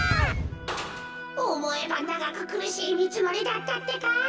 おもえばながくくるしいみちのりだったってか。